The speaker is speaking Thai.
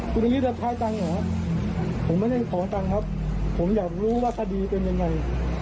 อคจบมึงบิอาจมาให้รับชายตรงผมไม่ได้ขอตรงอยากรู้ว่าไปที่ยังอะไร